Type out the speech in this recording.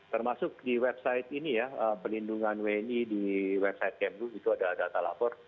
termasuk di website ini ya pelindungan wni di website kemlu itu adalah data lapor